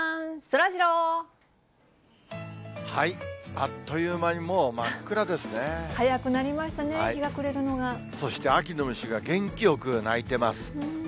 あっという間にもう、真っ暗早くなりましたね、日が暮れそして秋の虫が元気よく鳴いてます。